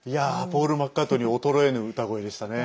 ポール・マッカートニー衰えぬ歌声でしたね。